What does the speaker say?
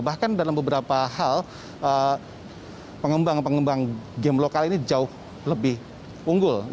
bahkan dalam beberapa hal pengembang pengembang game lokal ini jauh lebih unggul